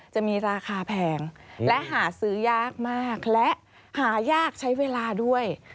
จะมีราคาแพงและหาซื้อยากมากและหายากใช้เวลาด้วย